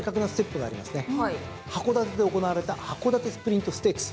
函館で行われた函館スプリントステークス。